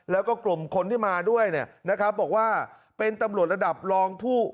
แล้วก็กลุ่มคนที่มาด้วยเนี่ยนะครับบอกว่าเป็นตำรวจระดับรองผู้